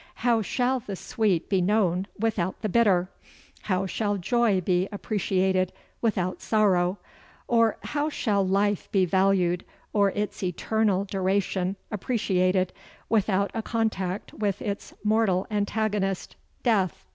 How shall the sweet be known without the bitter? How shall joy be appreciated without sorrow? Or, how shall life be valued, or its eternal duration appreciated without a contact with its mortal antagonist death?